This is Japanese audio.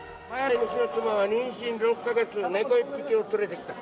妻は妊娠６か月猫１匹を連れてきた。